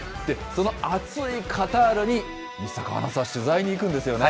その暑いカタールに西阪アナウンサー、取材に行くんですよね。